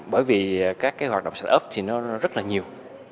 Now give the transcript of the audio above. bởi vì các hoạt động sạch ấp thì nó rất là nhiều